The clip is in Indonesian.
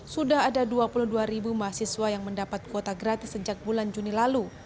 sudah ada dua puluh dua ribu mahasiswa yang mendapat kuota gratis sejak bulan juni lalu